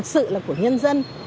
sự là của nhân dân